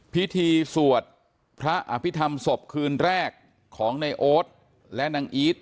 พิธีสวดพระอภิษฐรรมศพคืนแรกของในโอ๊ตและนางอีท